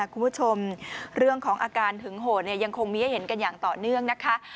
คุณผู้ชมเรื่องของอาการหึงโหดยังคงมีให้เห็นกันอย่างต่อเนื่องนะคะ